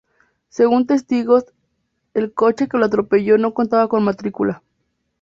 Según testigos, el coche que lo atropelló no contaba con matrícula.